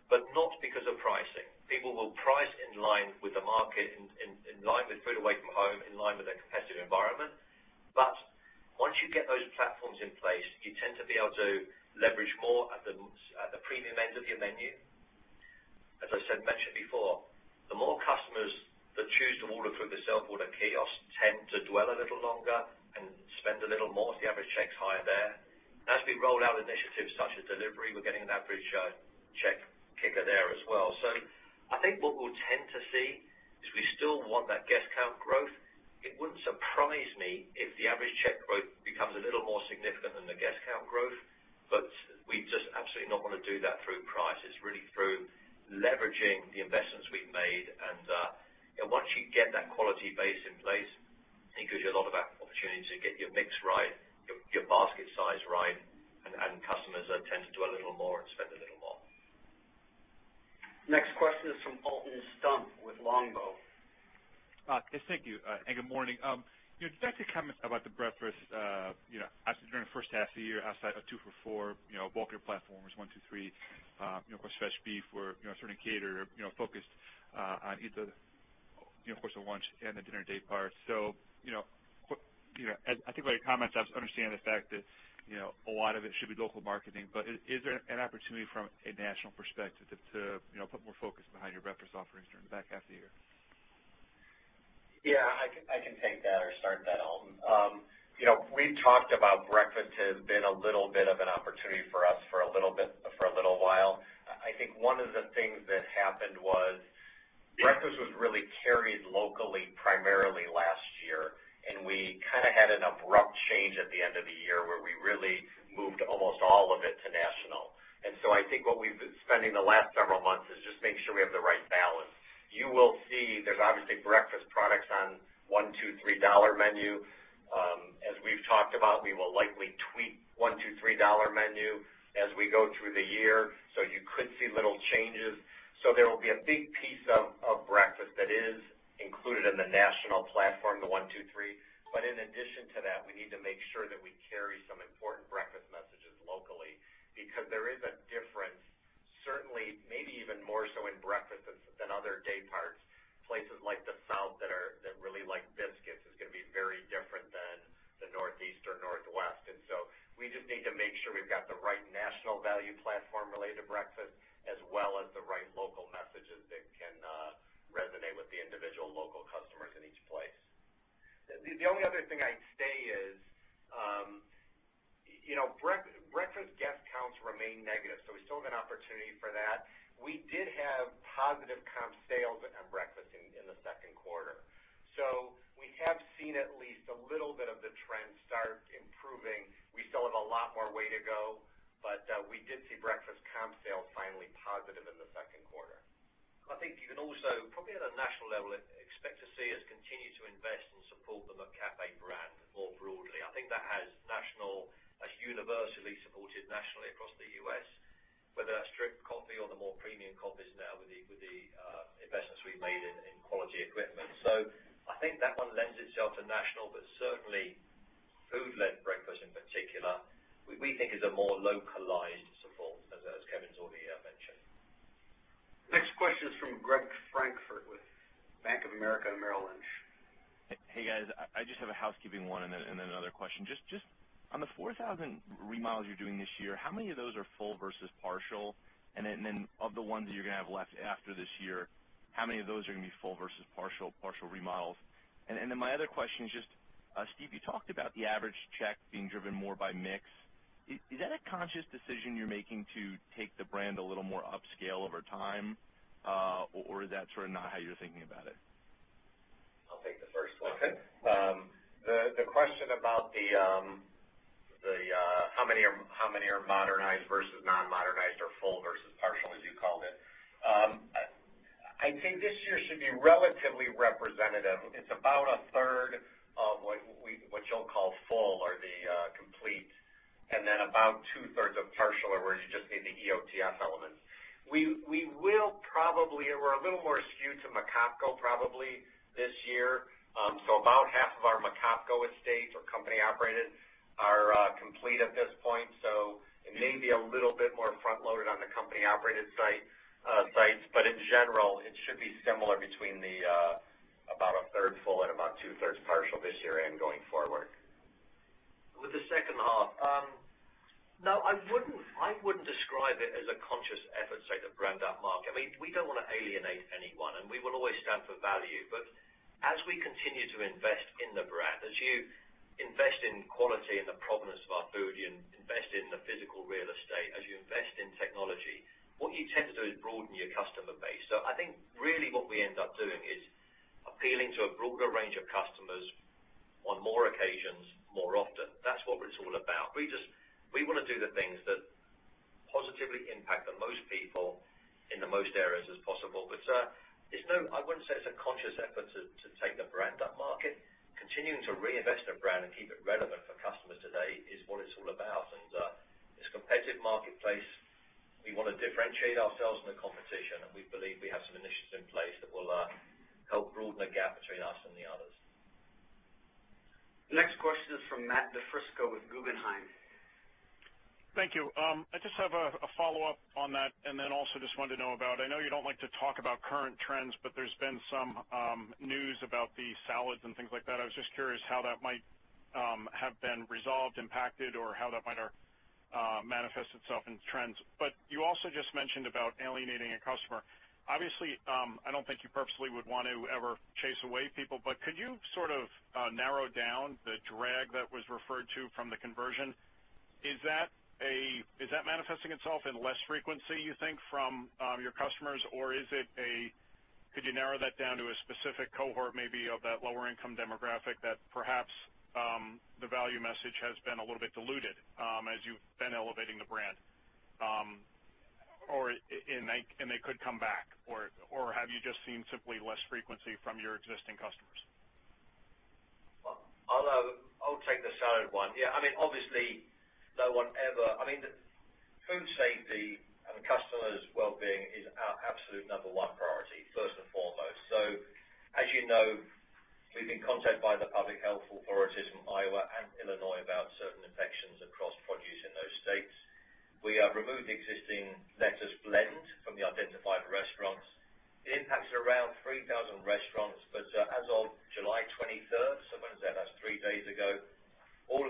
but not because of pricing. People will price in line with the market, in line with food away from home, in line with their competitive environment. Once you get those platforms in place, you tend to be able to leverage more at the premium end of your menu. As I mentioned before, the more customers that choose to order food themselves on a kiosk tend to dwell a little longer and spend a little more. The average check's higher there. As we roll out initiatives such as delivery, we're getting an average check kicker there as well. I think what we'll tend to see is we still want that guest count growth. It wouldn't surprise me if the average check growth becomes a little more significant than the guest count growth, but we just absolutely not want to do that through price. It's really through leveraging the investments we've made and, once you get that quality base in place, it gives you a lot of opportunities to get your mix right, your basket size right, and customers tend to dwell a little more and spend a little more. Next question is from Alton Stump with Longbow. Yes, thank you. Good morning. Just a comment about the breakfast, during the first half of the year outside of two for four, bulkier platforms, 1, 2, 3, of course, fresh beef or certain categories focused on either, of course, the lunch and the dinner day parts. I think by your comments, I understand the fact that a lot of it should be local marketing, but is there an opportunity from a national perspective to put more focus behind your breakfast offerings during the back half of the year? Yeah, I can take that or start that, Alton. We've talked about breakfast has been a little bit of an opportunity for us for a little while. I think one of the things that happened was breakfast was really carried locally, primarily last year, we kind of had an abrupt change at the end of the year where we really moved almost all of it to national. I think what we've been spending the last several months is just making sure we have the right balance. You will see there's obviously breakfast products on $1 $2 $3 Menu. As we've talked about, we will likely tweak $1 $2 $3 Menu as we go through the year, so you could see little changes. There will be a big piece of that is included in the national platform, the 1, 2, 3. In addition to that, we need to make sure that we carry some important breakfast messages locally, because there is a difference, certainly, maybe even more so in breakfast than other day parts. Places like the South that really like biscuits, is going to be very different than the Northeast or Northwest. We just need to make sure we've got the right national value platform related to breakfast, as well as the right local messages that can resonate with the individual local customers in each place. The only other thing I'd say is, breakfast guest counts remain negative, so we still have an opportunity for that. We did have positive comp sales at breakfast in the second quarter. We have seen at least a little bit of the trend start improving. We still have a lot more way to go, we did see breakfast comp sales finally positive in the second quarter. I think you can also, probably at a national level, expect to see us continue to invest and support the McCafé brand more broadly. I think that has national-- That's universally supported nationally across the U.S., whether that's drip coffee or the more premium coffees now with the investments we've made in quality equipment. I think that one lends itself to national, but certainly food-led breakfast in particular, we think is a more localized support, as Kevin's already mentioned. Next question is from Gregory Francfort with Bank of America Merrill Lynch. Hey, guys. I just have a housekeeping one and then another question. Just on the 4,000 remodels you're doing this year, how many of those are full versus partial? And then of the ones that you're going to have left after this year, how many of those are going to be full versus partial remodels? And then my other question is just, Steve, you talked about the average check being driven more by mix. Is that a conscious decision you're making to take the brand a little more upscale over time? Or is that sort of not how you're thinking about it? I'll take the first one. Okay. The question about how many are modernized versus non-modernized, or full versus partial, as you called it. I think this year should be relatively representative. It's about a third of what you'll call full or the complete, and then about two-thirds of partial or where you just need the EOTF elements. We're a little more skewed to McOpCo probably this year. About half of our McOpCo estates or company-operated are complete at this point, so it may be a little bit more front-loaded on the company-operated sites. In general, it should be similar between about a third full and about two-thirds partial this year and going forward. With the second half. No, I wouldn't describe it as a conscious effort to brand upmarket. We don't want to alienate anyone, and we will always stand for value. As we continue to invest in the brand, as you invest in quality and the provenance of our food, you invest in the physical real estate, as you invest in technology, what you tend to do is broaden your customer base. I think really what we end up doing is appealing to a broader range of customers on more occasions, more often. That's what it's all about. We want to do the things that positively impact the most people in the most areas as possible. I wouldn't say it's a conscious effort to take the brand upmarket. Continuing to reinvest a brand and keep it relevant for customers today is what it's all about. It's a competitive marketplace. We want to differentiate ourselves from the competition, and we believe we have some initiatives in place that will help broaden the gap between us and the others. Next question is from Matthew DiFrisco with Guggenheim. Thank you. I just have a follow-up on that, and then also just wanted to know about, I know you don't like to talk about current trends, but there's been some news about the salads and things like that. I was just curious how that might have been resolved, impacted, or how that might manifest itself in trends. You also just mentioned about alienating a customer. Obviously, I don't think you purposely would want to ever chase away people, could you sort of narrow down the drag that was referred to from the conversion? Is that manifesting itself in less frequency, you think, from your customers? Could you narrow that down to a specific cohort, maybe of that lower-income demographic, that perhaps the value message has been a little bit diluted as you've been elevating the brand, and they could come back? Have you just seen simply less frequency from your existing customers? I'll take the salad one. Food safety and the customer's well-being is our absolute number one priority, first and foremost. As you know, we've been contacted by the public health authorities in Iowa and Illinois about certain infections across produce in those states. We have removed the existing lettuce blend from the identified restaurants. It impacts around 3,000 restaurants,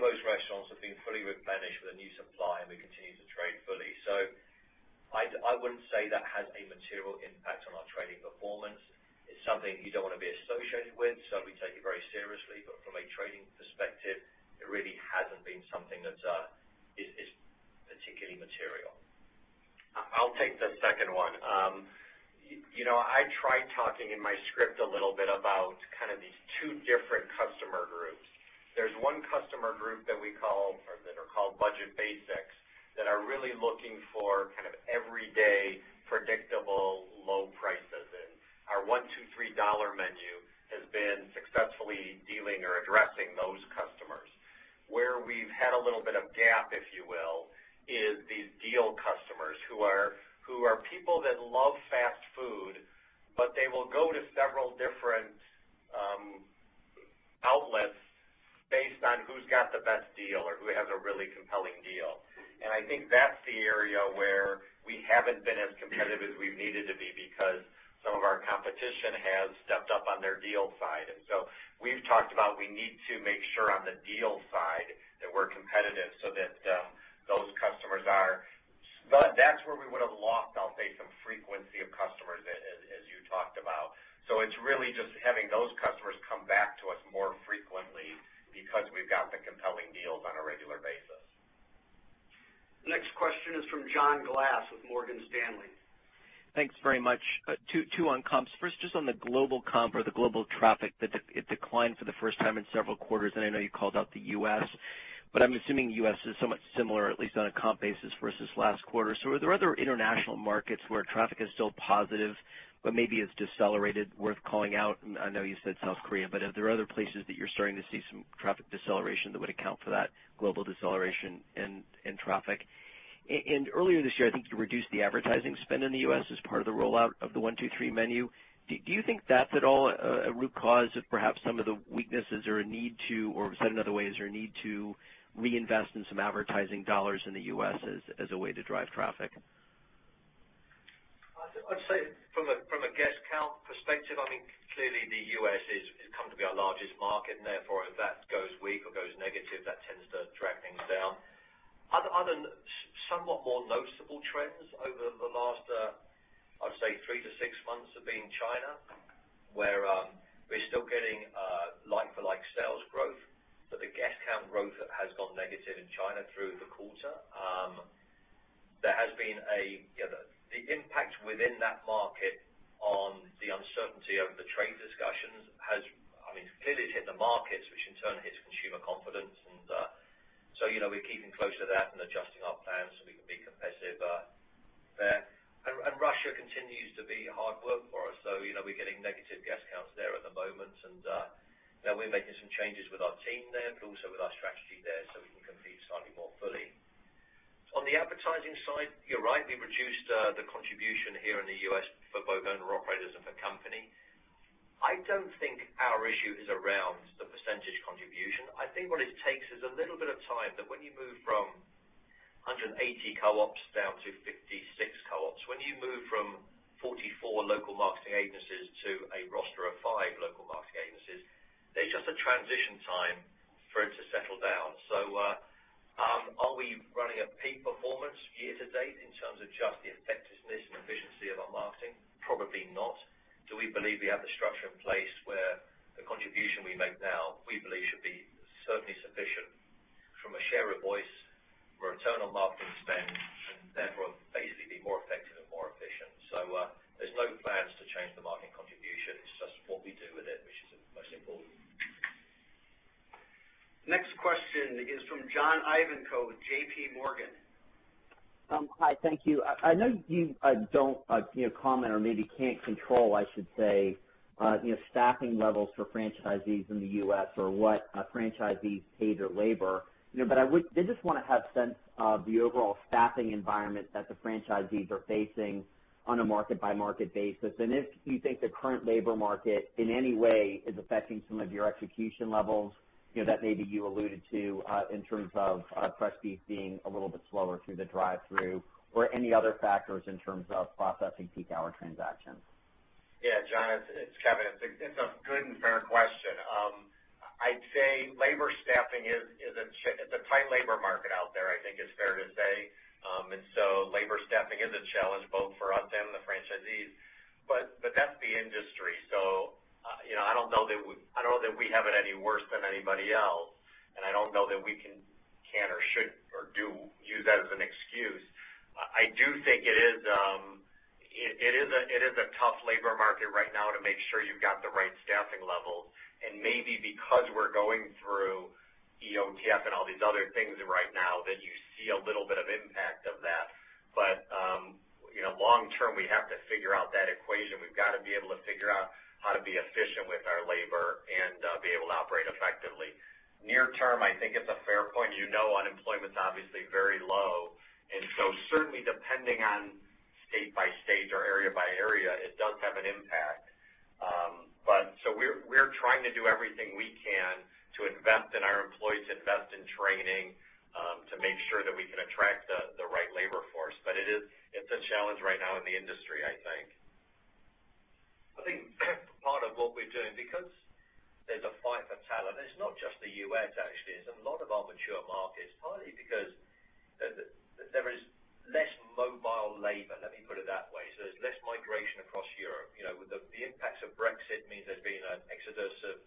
as of July 23rd, so that's three days ago, all of those restaurants have been fully replenished with a new supply, and we continue to trade fully. I wouldn't say that has a material impact on our trading performance. It's something you don't want to be associated with, so we take it very seriously, from a trading perspective, it really hasn't been something that is particularly material. I'll take the second one. I tried talking in my script a little bit about these two different customer groups. There's one customer group that we call or that are called Budget Basics, that are really looking for kind of everyday, predictable, low prices. Our $1 $2 $3 Dollar Menu has been successfully dealing or addressing those customers. Where we've had a little bit of gap, if you will, is these deal customers who are people that love fast food, but they will go to several different outlets based on who's got the best deal or who has a really compelling deal. I think that's the area where we haven't been as competitive as we've needed to be because some of our competition has stepped up on their deals side. We've talked about we need to make sure on the deals side that we're competitive so that those customers are. That's where we would've lost, I'll say, some frequency of customers as you talked about. It's really just having those customers come back to us more frequently because we've got the compelling deals on a regular basis. Next question is from John Glass with Morgan Stanley. Thanks very much. Two on comps. First, just on the global comp or the global traffic that it declined for the first time in several quarters, and I know you called out the U.S., but I'm assuming U.S. is somewhat similar, at least on a comp basis versus last quarter. Are there other international markets where traffic is still positive but maybe has decelerated worth calling out? I know you said South Korea, but are there other places that you're starting to see some traffic deceleration that would account for that global deceleration in traffic? Earlier this year, I think you reduced the advertising spend in the U.S. as part of the rollout of the One, Two, Three Menu. Do you think that's at all a root cause of perhaps some of the weaknesses? Or say it another way, is there a need to reinvest in some advertising dollars in the U.S. as a way to drive traffic? I'd say from a guest count perspective, clearly the U.S. has come to be our largest market, and therefore, if that goes weak or goes negative, that tends to drag things down. Other, other somewhat more noticeable trends over the last, I'd say three to six months have been China, where, we're still getting like-for-like sales growth, but the guest count growth has gone negative in China through the quarter. The impact within that market on the uncertainty of the trade discussions has, clearly it's hit the markets, which in turn hits consumer confidence, and so we're keeping close to that and adjusting our plans so we can be competitive there. Russia continues to be hard work for us, so we're getting negative guest counts there at the moment, and we're making some changes with our team there, but also with our strategy there so we can compete slightly more fully. On the advertising side, you're right. We reduced the contribution here in the U.S. for both owner operators and for company. I don't think our issue is around the percentage contribution. I think what it takes is a little bit of time, that when you move from 180 co-ops down to 56 co-ops. When you move from 44 local marketing agencies to a roster of five local marketing agencies, there's just a transition time for it to settle down. Are we running a peak performance year to date in terms of just the effectiveness and efficiency of our marketing? Probably not. Do we believe we have the structure in place where the contribution we make now, we believe should be certainly sufficient from a share of voice, return on marketing spend, and therefore basically be more effective and more efficient? There's no plans to change the marketing contribution. It's just what we do with it, which is most important. Next question is from John Ivankoe with JPMorgan. Hi, thank you. I know you don't comment or maybe can't control, I should say, staffing levels for franchisees in the U.S. or what franchisees pay their labor. I just want to have a sense of the overall staffing environment that the franchisees are facing on a market-by-market basis, and if you think the current labor market in any way is affecting some of your execution levels, that maybe you alluded to in terms of customers being a little bit slower through the drive-thru, or any other factors in terms of processing peak hour transactions. Yeah, John, it's Kevin. It's a good and fair question. I'd say labor staffing is a tight labor market out there, I think is fair to say. Labor staffing is a challenge both for us and the franchisees. That's the industry. I don't know that we have it any worse than anybody else, and I don't know that we can or should or do use that as an excuse. I do think it is a tough labor market right now to make sure you've got the right staffing levels, and maybe because we're going through EOTF and all these other things right now that you see a little bit of impact of that. Long term, we have to figure out that equation. We've got to be able to figure out how to be efficient with our labor and be able to operate effectively. Near term, I think it's a fair point. You know unemployment's obviously very low, certainly depending on state by state or area by area, it does have an impact. We're trying to do everything we can to invest in our employees, invest in training, to make sure that we can attract the right labor force. It is, it's a challenge right now in the industry, I think. I think part of what we're doing, because there's a fight for talent, it's not just the U.S. actually, it's a lot of our mature markets, partly because there is less mobile labor, let me put it that way. There's less migration across Europe. With the impacts of Brexit means there's been an exodus of,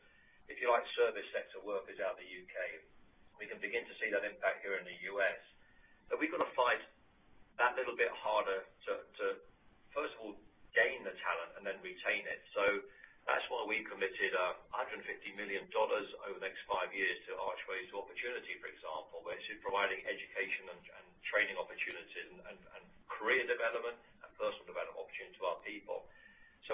if you like, service sector workers out of the U.K. We can begin to see that impact here in the U.S. We've got to fight that little bit harder to first of all gain the talent and then retain it. That's why we committed $150 million over the next five years to Archways to Opportunity, for example, which is providing education and training opportunities and career development opportunity to our people.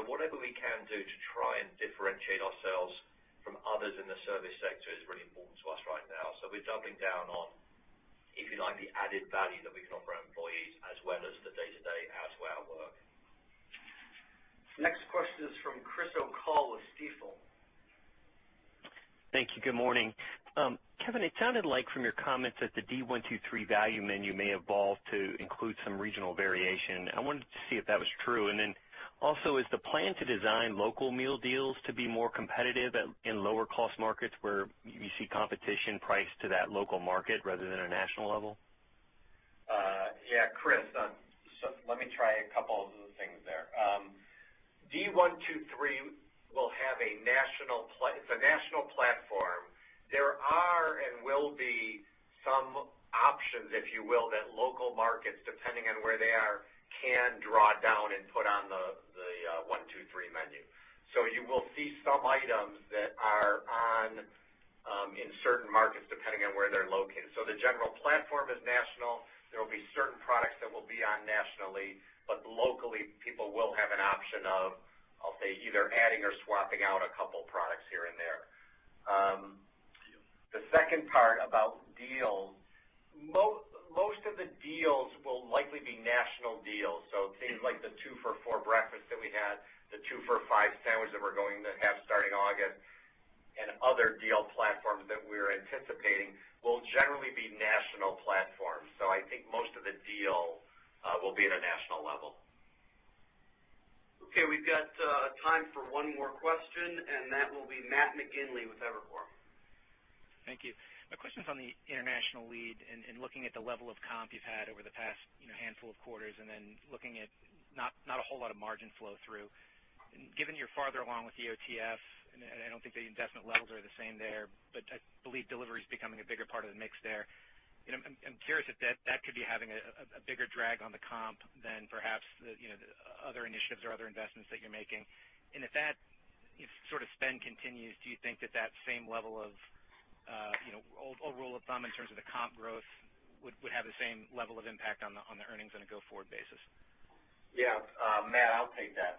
Whatever we can do to try and differentiate ourselves from others in the service sector is really important to us right now. We're doubling down on, if you like, the added value that we can offer our employees as well as the day-to-day as well work. Next question is from Chris O'Cull with Stifel. Thank you. Good morning. Kevin, it sounded like from your comments that the D123 value menu may evolve to include some regional variation. I wanted to see if that was true. Also, is the plan to design local meal deals to be more competitive in lower cost markets where you see competition priced to that local market rather than a national level? Yeah. Chris, let me try a couple of the things there. D123 will have a national platform. There are and will be some options, if you will, that local markets, depending on where they are, can draw down and put on the 123 menu. You will see some items that are on, in certain markets, depending on where they're located. The general platform is national. There will be certain products that will be on nationally, but locally, people will have an option of, I'll say, either adding or swapping out a couple products here and there. The second part about deals, most of the deals will likely be national deals, things like the two-for-four breakfast that we had, the two-for-five sandwich that we're going to have starting August, other deal platforms that we're anticipating will generally be national platforms. I think most of the deal, will be at a national level. Okay, we've got time for one more question, and that will be Matt McGinley with Evercore. Thank you. My question's on the International Lead and looking at the level of comp you've had over the past handful of quarters, and then looking at not a whole lot of margin flow through. Given you're farther along with EOTF, and I don't think the indefinite levels are the same there, but I believe delivery is becoming a bigger part of the mix there. I'm curious if that could be having a bigger drag on the comp than perhaps the other initiatives or other investments that you're making. If that sort of spend continues, do you think that that same level of old rule of thumb in terms of the comp growth would have the same level of impact on the earnings on a go-forward basis? Matt, I'll take that.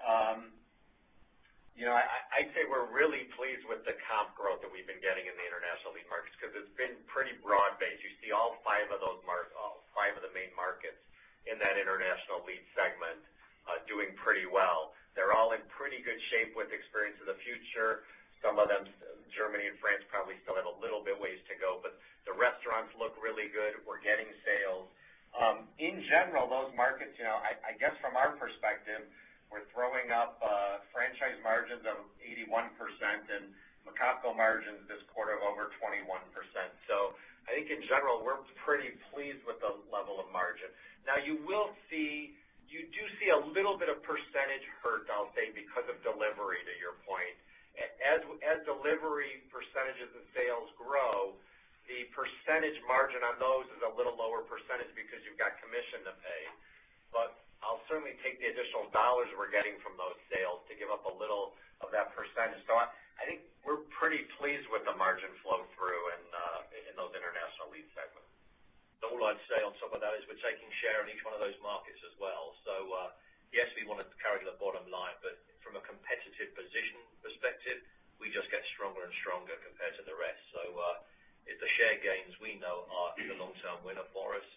I'd say we're really pleased with the comp growth that we've been getting in the International Lead markets because it's been pretty broad-based. You see all five of the main markets in that International Lead segment doing pretty well. They're all in pretty good shape with Experience of the Future. Some of them, Germany and France, probably still have a little bit ways to go, but the restaurants look really good. We're getting sales. In general, those markets, I guess from our perspective, we're throwing up franchise margins of 81% and McOpCo margins this quarter of over 21%. I think in general, we're pretty pleased with the level of margin. Now, you do see a little bit of percentage hurt, I'll say, because of delivery, to your point. As delivery percentages and sales grow, the percentage margin on those is a little lower percentage because you've got commission to pay. I'll certainly take the additional dollars we're getting from those sales to give up a little of that percentage. I think we're pretty pleased with the margin flow through in those International Lead segments. All I'd say on top of that is we're taking share in each one of those markets as well. Yes, we want to carry the bottom line, but from a competitive position perspective, we just get stronger and stronger compared to the rest. The share gains we know are the long-term winner for us,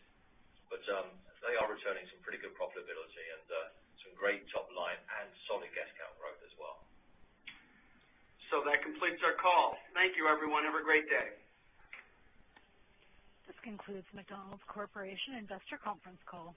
but they are returning some pretty good profitability and some great top line and solid guest count growth as well. That completes our call. Thank you, everyone. Have a great day. This concludes McDonald's Corporation Investor Conference Call